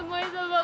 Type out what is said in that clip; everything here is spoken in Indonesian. edo aku gak bintang